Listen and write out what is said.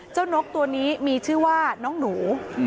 นกตัวนี้มีชื่อว่าน้องหนู